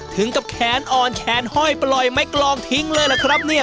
ถึงกับแขนอ่อนแขนห้อยปล่อยไม้กลองทิ้งเลยล่ะครับเนี่ย